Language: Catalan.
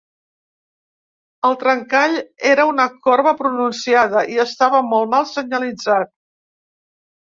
El trencall era una corba pronunciada, i estava molt mal senyalitzat.